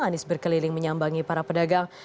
anies berkeliling menyambangi para pedagang